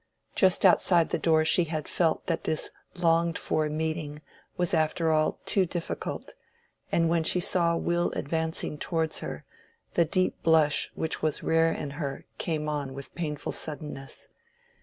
Just outside the door she had felt that this longed for meeting was after all too difficult, and when she saw Will advancing towards her, the deep blush which was rare in her came with painful suddenness.